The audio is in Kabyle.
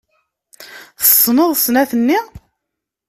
Tessneḍ snat-nni?